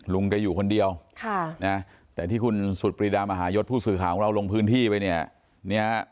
ลุงแกอยู่คนเดียวแต่ที่คุณสุดปรีดามหายศผู้สื่อข่าวของเราลงพื้นที่ไปเนี่ย